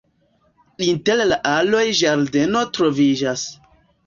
Inter la aloj ĝardeno troviĝas.